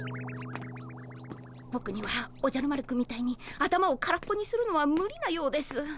ぼくにはおじゃる丸くんみたいに頭を空っぽにするのはむりなようです。